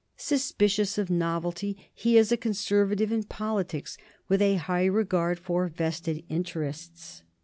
Suspicious of novelty, he is a conservative in politics with a high regard for vested interests.